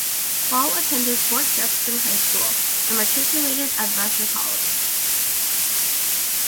Ball attended Port Jefferson High School, and matriculated at Vassar College.